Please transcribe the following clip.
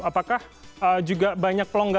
apakah juga banyak pelonggaran